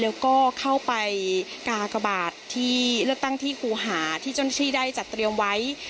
แล้วก็เข้าไปกากบาทที่เลือกตั้งที่ครูหาที่เจ้าหน้าที่ได้จัดเตรียมไว้